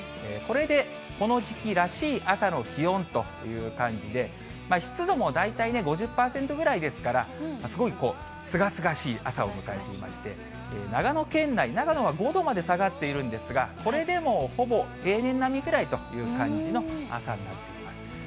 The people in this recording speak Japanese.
これでこの時期らしい朝の気温という感じで、湿度も大体ね、５０％ぐらいですから、すごいすがすがしい朝を迎えていまして、長野県内、長野は５度まで下がっているんですが、これでもほぼ平年並みぐらいという感じの朝になってます。